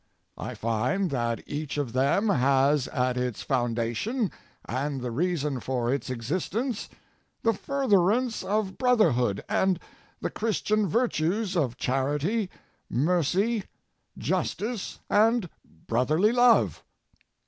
I find that each of them has at its foundation and the reason for its existence the furtherance of brother hood and the Christian virtues of charity, mercy, justice and brotherly love.